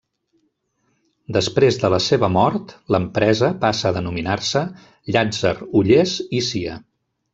Després de la seva mort, l'empresa passa a denominar-se Llàtzer Ullés i Cia.